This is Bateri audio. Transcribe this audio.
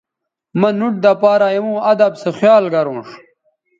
مہ نُوٹ دہ پارہ ایوں اداب سو خیال گرونݜ